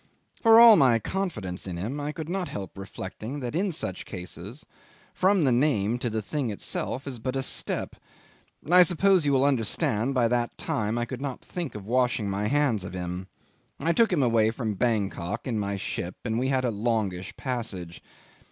For all my confidence in him I could not help reflecting that in such cases from the name to the thing itself is but a step. I suppose you will understand that by that time I could not think of washing my hands of him. I took him away from Bankok in my ship, and we had a longish passage.